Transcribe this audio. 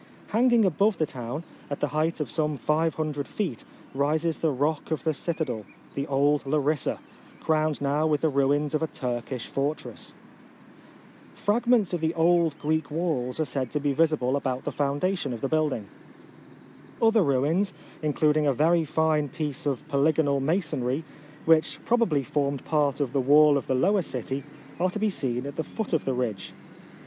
Hang ing above the town, at the height of some 500 feet, rises the rock of the citadel — the old Larissa — crowned now with the ruins of a Turkish fortress. Fragments of the old Greek walls are said to be visi ble about the foundation of the building. Other ruins, including a very fine piece of polygonal mason ry, which probably formed part of the wall of the lower city, are to be seen at the foot of the ridge.